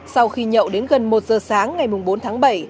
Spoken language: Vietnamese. sau khi nhậu đến gần một giờ sáng ngày bốn tháng bảy